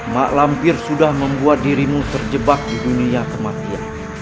mak lampir sudah membuat dirimu terjebak di dunia kematian